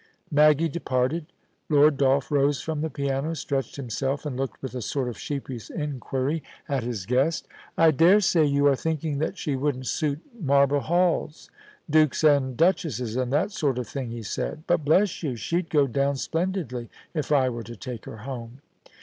Maggie departed Lord Dolph rose from the piano, stretched himself, and looked with a sort of sheepish inquiry at his guest * I dare say you are thinking that she wouldn't suit marble halls, dukes, and duchesses, and that sort of thing,' he said ;* but bless you ! she'd go down splendidly if I were to take her home.'